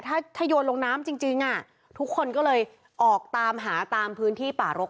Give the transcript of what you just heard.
ถ้าถ้าโยนลงน้ำจริงทุกคนก็เลยออกตามหาตามพื้นที่ป่ารก